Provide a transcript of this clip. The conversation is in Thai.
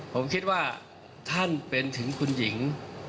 ผมคิดว่าท่านเป็นถึงคุณหญิง